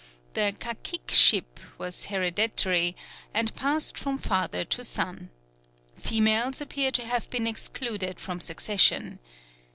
The caciqueship was hereditary, and passed from father to son. Females appear to have been excluded from succession.